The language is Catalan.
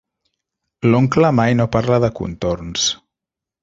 L'oncle mai no parla de contorns.